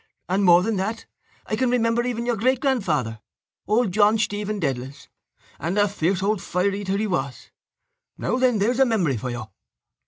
And, more than that, I can remember even your greatgrandfather, old John Stephen Dedalus, and a fierce old fire eater he was. Now, then! There's a memory for you!